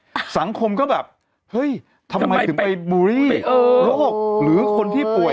สังคมก็แบบเฮ้ยทำไมถึงไปบูลลี่เออโรคหรือคนที่ป่วย